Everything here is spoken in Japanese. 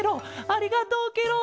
ありがとうケロ！